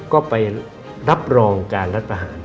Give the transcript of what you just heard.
ก็ไปรับรองการรัฐประหาร